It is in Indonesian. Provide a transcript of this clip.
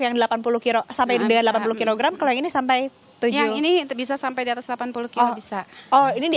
yang delapan puluh kg sampai dengan delapan puluh kg kalau yang ini sampai tujuh ini bisa sampai di atas delapan puluh kilo bisa oh ini di